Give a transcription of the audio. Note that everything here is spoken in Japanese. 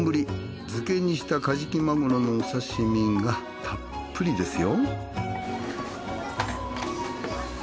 漬けにしたカジキマグロのお刺身がたっぷりですよ。